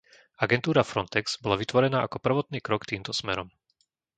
Agentúra Frontex bola vytvorená ako prvotný krok týmto smerom.